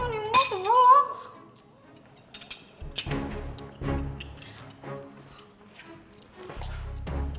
ini gajinya neneknya dipotong